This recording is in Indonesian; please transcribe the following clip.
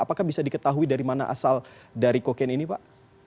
apakah bisa diketahui dari mana asal dari kokain ini pak